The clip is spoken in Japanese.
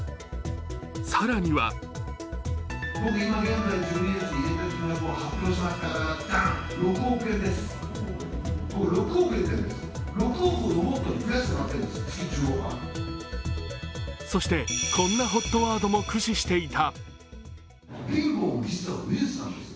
更にはそして、こんなＨＯＴワードも駆使していた。